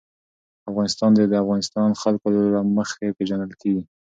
افغانستان د د افغانستان جلکو له مخې پېژندل کېږي.